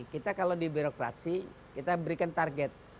kita kalau di birokrasi kita berikan target